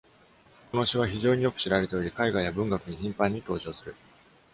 この詩は非常によく知られており、絵画や文学に頻繁に登場する。